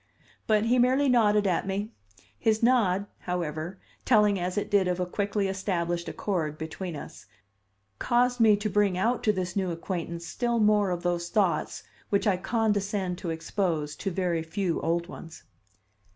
But he merely nodded at me. His nod, however, telling as it did of a quickly established accord between us, caused me to bring out to this new acquaintance still more of those thoughts which I condescend to expose to very few old ones.